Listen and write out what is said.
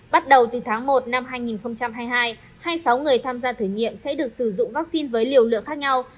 bắt đầu từ tháng một năm hai nghìn hai mươi hai hai mươi sáu người tham gia thử nghiệm sẽ được sử dụng vaccine với liều lượng khác nhau